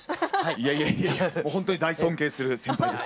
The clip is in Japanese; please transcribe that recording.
いやいやいやもうほんとに尊敬する先輩です。